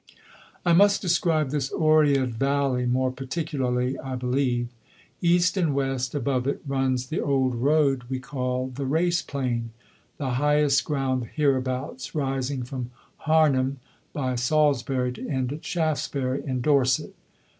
I must describe this Oread Valley more particularly, I believe. East and west, above it, runs the old road we call the Race Plain the highest ground hereabouts, rising from Harnham by Salisbury to end at Shaftesbury in Dorset.